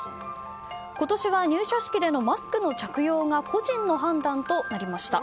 今年は入社式でのマスクの着用が個人の判断となりました。